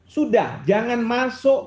sudah jangan masuk